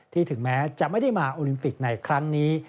ถึงแม้จะไม่ได้มาโอลิมปิกในครั้งนี้